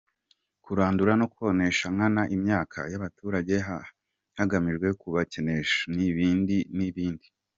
– Kurandura no konesha nkana imyaka y’abaturage hagamijwe kubakenesha; – N’ibindi n’ibindi.